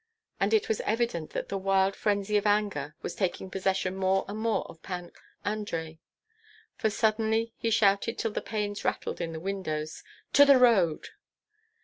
And it was evident that the wild frenzy of anger was taking possession more and more of Pan Andrei, for suddenly he shouted till the panes rattled in the windows, "To the road!"